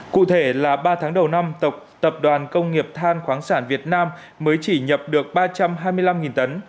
cụ thể là ba tháng đầu năm tập đoàn công nghiệp than khoáng sản việt nam mới chỉ nhập được ba trăm hai mươi năm tấn